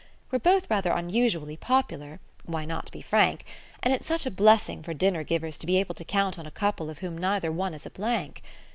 We're both rather unusually popular why not be frank! and it's such a blessing for dinner givers to be able to count on a couple of whom neither one is a blank.